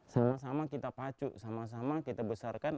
sama sama kita pacu sama sama kita besarkan